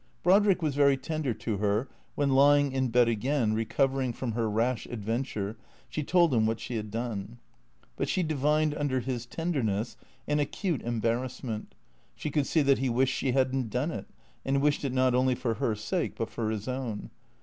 Brodrick was very tender to her when, lying in bed again, recovering from her rash adventure, she told him what she had done. But she divined under his tenderness an acute embar rassment ; she could see that he wished she had n't done it, and wished it not only for her sake but for his own.